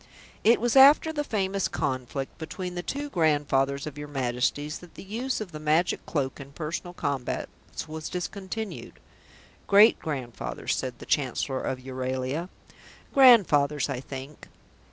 "It was after the famous conflict between the two grandfathers of your Majesties that the use of the Magic Cloak in personal combats was discontinued." "Great grandfathers," said the Chancellor of Euralia. "Grandfathers, I think."